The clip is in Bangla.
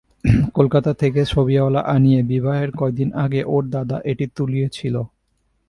কলকাতা থেকে ছবিওয়ালা আনিয়ে বিবাহের কয়দিন আগে ওর দাদা এটি তুলিয়েছিল।